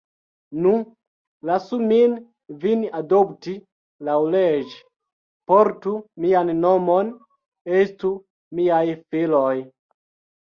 Nu, lasu min vin adopti laŭleĝe; portu mian nomon; estu miaj filoj.